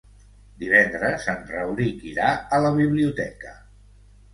Divendres en Rauric irà a la biblioteca.